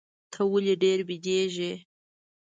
ته ولي ډېر بیدېږې؟